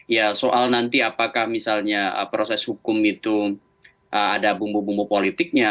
ya soal nanti apakah misalnya proses hukum itu ada bumbu bumbu politiknya